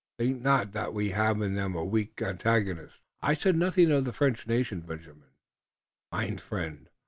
Think not that we have in them a weak antagonist." "I said nothing of the French nation, Benjamin, mein friend.